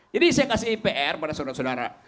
jadi saya kasih pr pada saudara saudara